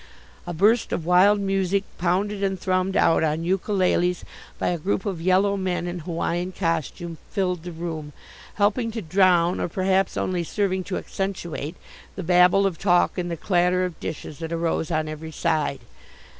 A burst of wild music, pounded and thrummed out on ukuleles by a group of yellow men in Hawaiian costume, filled the room, helping to drown or perhaps only serving to accentuate the babel of talk and the clatter of dishes that arose on every side.